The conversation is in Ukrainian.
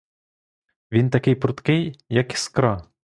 Він такий прудкий, як іскра!